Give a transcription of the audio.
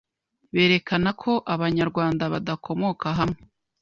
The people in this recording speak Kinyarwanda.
berekana ko abanyarwanda badakomoka hamwe